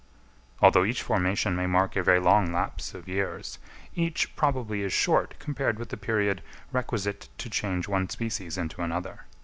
Although each formation may mark a very long lapse of years, each probably is short compared with the period requisite to change one species into another.